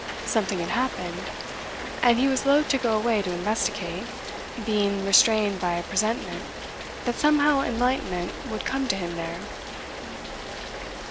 Something had happened; and he was loath to go away to investigate, being restrained by a presentiment that somehow enlightenment would come to him there.